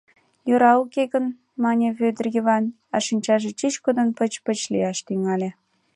Йӧра уке гын, — мане Вӧдыр Йыван, а шинчаже чӱчкыдын пыч-пыч лияш тӱҥале.